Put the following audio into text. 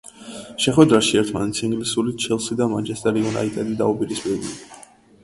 შეხვედრაში ერთმანეთს ინგლისური ჩელსი და მანჩესტერ იუნაიტედი დაუპირისპირდნენ.